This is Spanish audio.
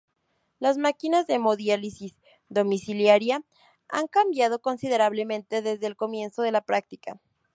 Las máquinas de hemodiálisis domiciliaria han cambiado considerablemente desde el comienzo de la práctica.